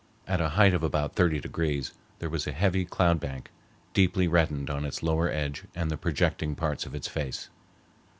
At a height of about thirty degrees there was a heavy cloud bank, deeply reddened on its lower edge and the projecting parts of its face.